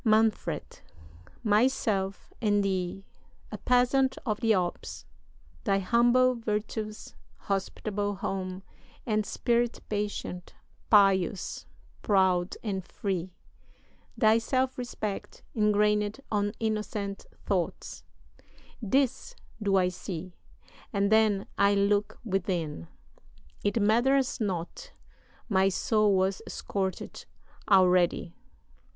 "MANFRED. Myself, and thee a peasant of the Alps Thy humble virtues, hospitable home, And spirit patient, pious, proud, and free; Thy self respect, ingrained on innocent thoughts; "This do I see and then I look within It matters not my soul was scorch'd already!"